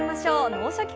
「脳シャキ！